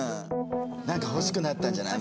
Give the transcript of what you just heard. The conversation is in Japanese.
欲しくなったんじゃない？